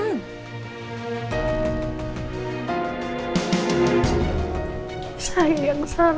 sayang salah al